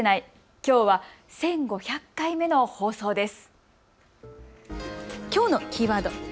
きょうは１５００回目の放送です。